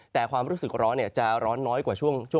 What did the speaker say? แต่ความรู้สึกร้อนจะร้อนน้อยกว่าช่วง